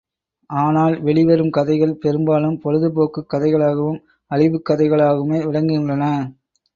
ஆனால் வெளிவரும் கதைகள் பெரும் பாலும் பொழுதுபோக்குக் கதைகளாகவும், அழிவுக் கதைகளாகவுமே விளங்குகின்றன.